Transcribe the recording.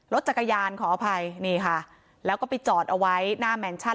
รถจักรยานขออภัยนี่ค่ะแล้วก็ไปจอดเอาไว้หน้าแมนชั่น